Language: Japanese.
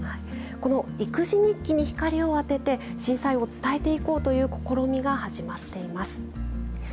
この育児日記に光を当てて、震災を伝えていこうという試みが始まっています。